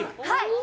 はい！